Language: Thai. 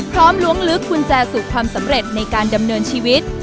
ล้วงลึกกุญแจสู่ความสำเร็จในการดำเนินชีวิต